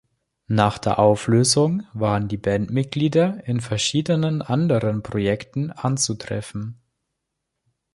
Nach der Auflösung waren die Bandmitglieder in verschiedenen anderen Projekten anzutreffen.